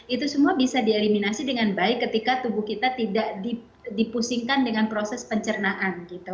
itu semua bisa dieliminasi dengan baik ketika tubuh kita tidak dipusingkan dengan proses pencernaan gitu